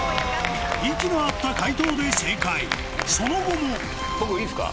息の合った解答で正解その後も僕いいですか？